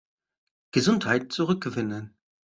Gesundheit zurückgewinnen.